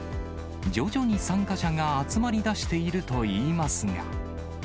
徐々に参加者が集まりだしているといいますが。